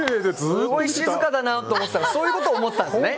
すごい静かだなと思ってたらそういうことを考えてたんですね。